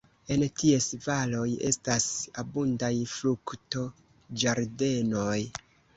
En ties valoj estas abundaj fruktoĝardenoj.